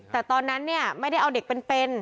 แต่ตอนนั้นเนี่ยไม่ได้เอาเด็กเป็น